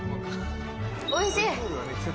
おいしい！